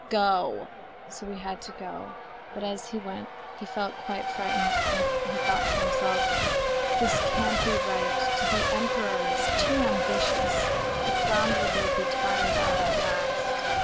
Go!' So he had to go. But as he went, he felt quite frightened, and he thought to himself, 'This can't be right; to be emperor is too ambitious; the flounder will be tired out at last.